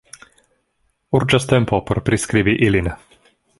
Urĝas tempo por priskribi ilin.